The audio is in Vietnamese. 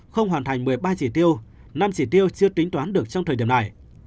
không hoàn thành một mươi ba chỉ tiêu năm chỉ tiêu chưa tính toán được trong thời điểm này